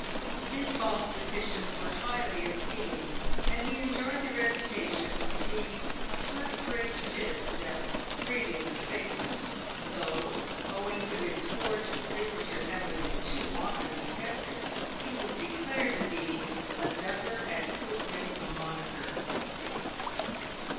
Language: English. His false petitions were highly esteemed, and he enjoyed the reputa tion of being a first rate fist at " screeving a fakement," though, owing to his forged signatures having been too often detected, he was declared to be " a duffer at coopering a monekur."